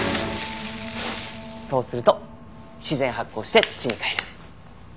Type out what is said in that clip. そうすると自然発酵して土に返る。